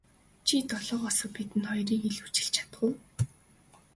Чи долоогоосоо бидэнд хоёрыг илүүчилж чадах уу.